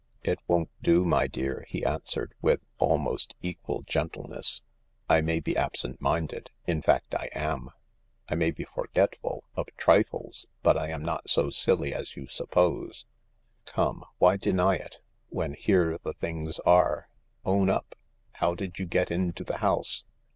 " It won't do, my dear," he answered with almost equaJ gentleness. " I may be absent minded— in fact I am. I may be forgetful — of trifles — but I am not so silly as yousup pose. Come — why deny it, when here the things are ? Own up 1 How did you get into the house